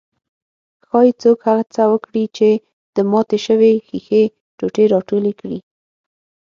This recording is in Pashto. ښايي څوک هڅه وکړي چې د ماتې شوې ښيښې ټوټې راټولې کړي.